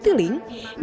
di jawa tenggara